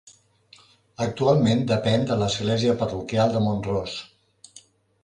Actualment depèn de l'església parroquial de Mont-ros.